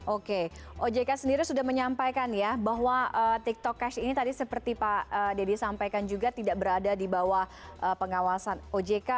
oke ojk sendiri sudah menyampaikan ya bahwa tiktok cash ini tadi seperti pak dedy sampaikan juga tidak berada di bawah pengawasan ojk